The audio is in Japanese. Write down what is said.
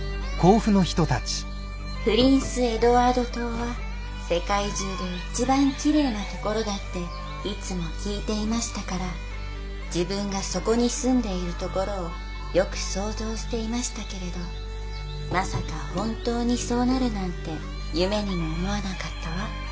「プリンス・エドワード島は世界中で一番きれいな所だっていつも聞いていましたから自分がそこに住んでいるところをよく想像していましたけれどまさか本当にそうなるなんて夢にも思わなかったわ」。